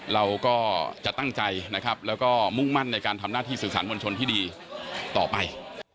เราก็จะตั้งใจนะครับแล้วก็มุ่งมั่นในการทำหน้าที่สื่อสารมวลชนที่ดีต่อไป